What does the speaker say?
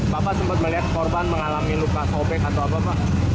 bapak sempat melihat korban mengalami luka sobek atau apa pak